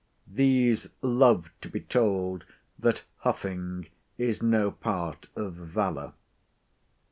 These love to be told that huffing is no part of valour.